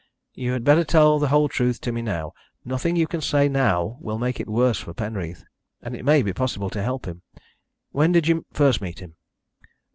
"You had better tell the whole truth to me now. Nothing you can now say will make it worse for Penreath, and it may be possible to help him. When did you first meet him?"